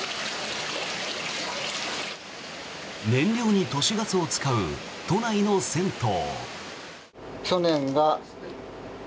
燃料に都市ガスを使う都内の銭湯。